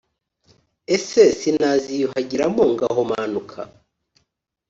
ese sinaziyuhagiramo ngahumanuka